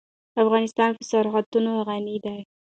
افغانستان په سرحدونه غني دی.